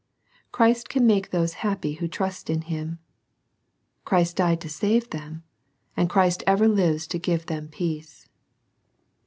Christ can make those happy who trust in Him. Christ died to save them, and Christ ever lives to give them peace.